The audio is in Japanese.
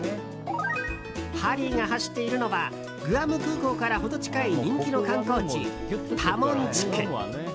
ハリーが走っているのはグアム空港から程近い人気の観光地、タモン地区。